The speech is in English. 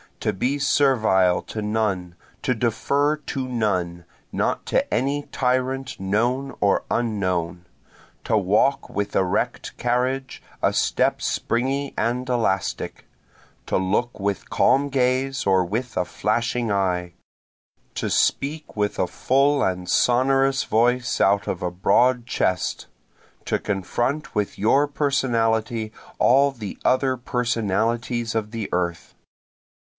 To be servile to none, to defer to none, not to any tyrant known or unknown, To walk with erect carriage, a step springy and elastic, To look with calm gaze or with a flashing eye, To speak with a full and sonorous voice out of a broad chest, To confront with your personality all the other personalities of the earth.